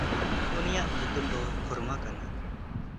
ᱩᱱᱤᱭᱟᱜ ᱧᱩᱛᱩᱢ ᱫᱚ ᱠᱷᱚᱨᱢᱟ ᱠᱟᱱᱟ᱾